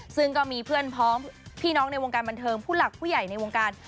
ซึ่งก็มีเพื่อนพ้องพี่น้องในวงการบันเทิงผู้หลักผู้ใหญ่ในวงการ